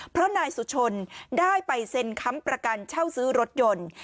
เพราะนายสุชนได้ไปเซ็นค้ำประกันเช่าซื้อรถยนต์